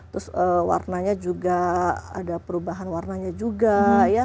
terus warnanya juga ada perubahan warnanya juga ya